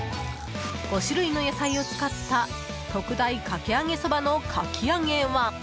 ５種類の野菜を使った特大かき揚げそばのかき揚げは。